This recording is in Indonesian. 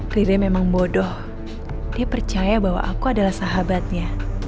kliria memang bodoh dia percaya bahwa aku adalah sahabatnya